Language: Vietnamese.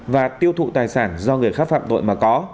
và tiêu thụ tài sản do người khác phạm tội mà có